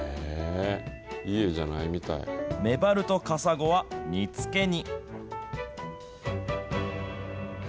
メバルとカサゴは煮つけに。